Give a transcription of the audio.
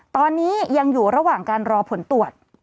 ตอนนี้ยังอยู่ระหว่างการรอผลตรวจ